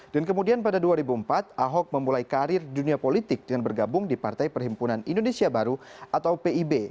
dan kemudian pada dua ribu empat ahok memulai karir dunia politik dengan bergabung di partai perhimpunan indonesia baru atau pib